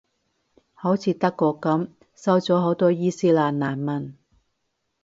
好似德國噉，收咗好多伊期蘭難民